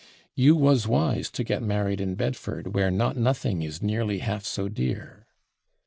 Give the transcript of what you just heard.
You /was/ wise to get married in Bedford, where /not nothing/ is nearly half so dear....